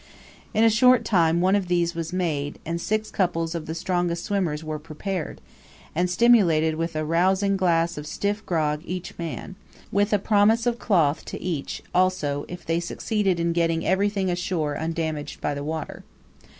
In a short time one of these was made, and six couples of the strongest swimmers were prepared, and stimulated with a rousing glass of stiff grog each man, with a promise of cloth to each also if they succeeded in getting everything ashore undamaged by the water.